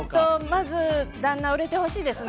まず旦那、売れてほしいですね。